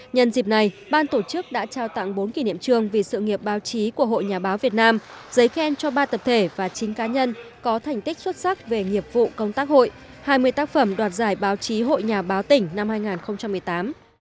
nhân dịp này ban tổ chức đã trao tặng bốn kỷ niệm trường vì sự nghiệp báo chí của hội nhà báo việt nam giấy khen cho ba tập thể và chín cá nhân có thành tích xuất sắc về nghiệp vụ công tác hội hai mươi tác phẩm đoạt giải báo chí hội nhà báo tỉnh năm hai nghìn một mươi tám